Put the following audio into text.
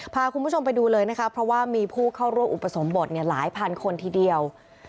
พาคุณผู้ชมไปดูเลยนะคะเพราะว่ามีผู้เข้าร่วมอุปสมบทหลายพันคนทีเดียว